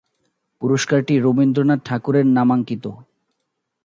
পুরস্কারটি রবীন্দ্রনাথ ঠাকুরের নামাঙ্কিত।